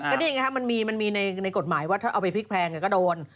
ก็นี่ไงครับมันมีในกฎหมายว่าถ้าเอาไปพลิกแพงก็โดน